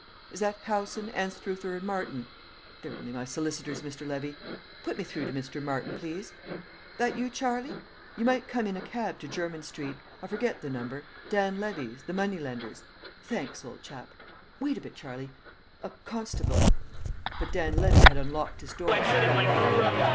"Is that Howson, Anstruther and Martin? they're only my solicitors, Mr. Levy.... Put me through to Mr. Martin, please.... That you, Charlie? ... You might come in a cab to Jermyn Street I forget the number Dan Levy's, the money lender's thanks, old chap! ... Wait a bit, Charlie a constable...." But Dan Levy had unlocked his door and flung it open.